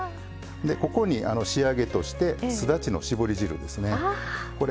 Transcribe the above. ここに仕上げとしてすだちの搾り汁ですね。